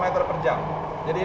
jadi secara pelan pelan diantar